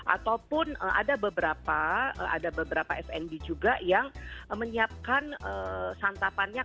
ataupun ada beberapa fnd juga yang menyiapkan santapannya